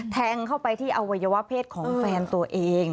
แทงเข้าไปที่อวัยวะเพศของแฟนตัวเอง